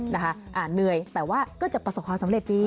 เหนื่อยแต่ว่าก็จะประสบความสำเร็จดี